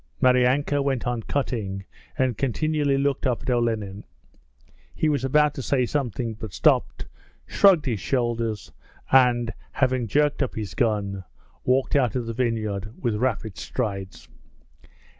Maryanka went on cutting and continually looked up at Olenin. He was about to say something, but stopped, shrugged his shoulders and, having jerked up his gun, walked out of the vineyard with rapid strides.